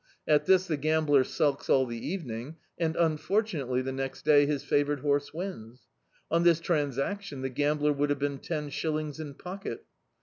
At this the gambler sulks all the evening and unforttmately the next day his favoured horse wins. On thb transac* tion the gambler would have been ten shillings in pocket.